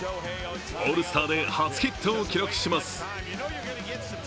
オールスターで初ヒットを記録します。